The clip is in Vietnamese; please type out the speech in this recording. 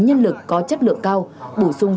nhân lực có chất lượng cao bổ sung